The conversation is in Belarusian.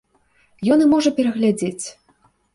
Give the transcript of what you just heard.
Ён і можа перагледзець.